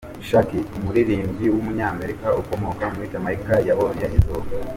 Shaggy, umuririmbyi w’umunyamerika ukomoka muri Jamaica yabonye izuba.